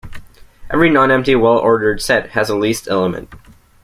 Every non-empty well-ordered set has a least element.